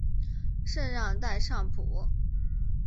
圣让代尚普。